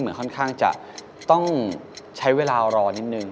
ค่อนข้างจะต้องใช้เวลารอนิดนึง